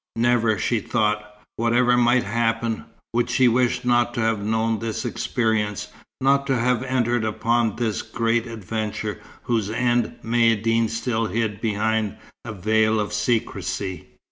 Never, she thought, whatever might happen, would she wish not to have known this experience, not to have entered upon this great adventure, whose end Maïeddine still hid behind a veil of secrecy.